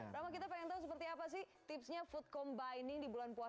rama kita pengen tahu seperti apa sih tipsnya food combining di bulan puasa